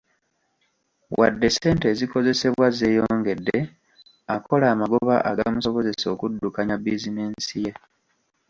Wadde ssente ezikozesebwa zeeyongedde, akola amagoba agamusobozesa okuddukanya bizinensi ye.